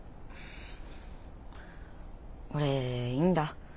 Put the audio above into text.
俺いいんだ。